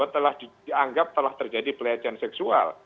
telah dianggap telah terjadi pelecehan seksual